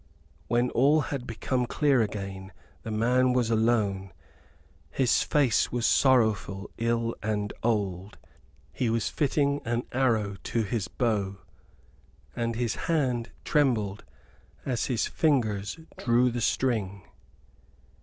When all had become clear again the man was alone. His face was sorrowful, ill, and old. He was fitting an arrow to his bow, and his hand trembled as his fingers drew the string.